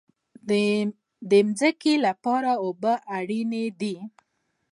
د ځمکې لپاره اوبه اړین دي